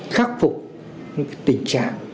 khắc phục những tình trạng